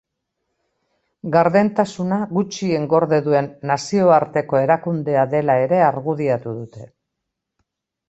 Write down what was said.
Gardentasuna gutxien gorde duen nazioarteko erakundea dela ere argudiatu dute.